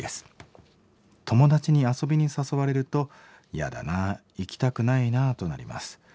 友達に遊びに誘われると嫌だな行きたくないなとなります。